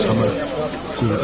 saya akan berusaha